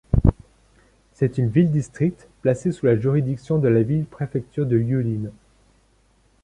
C'est une ville-district placée sous la juridiction de la ville-préfecture de Yulin.